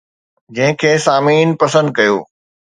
جنهن کي سامعين پسند ڪيو